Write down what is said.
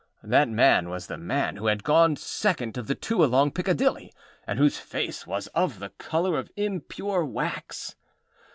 That man was the man who had gone second of the two along Piccadilly, and whose face was of the colour of impure wax.